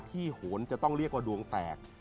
โหนจะต้องเรียกว่าดวงแตก